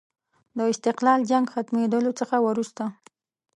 د استقلال جنګ ختمېدلو څخه وروسته.